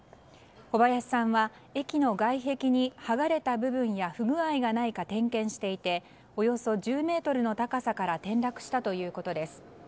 小林さんは駅の外壁に剥がれた部分や不具合がないか点検していておよそ１０ｍの高さから転落したということです。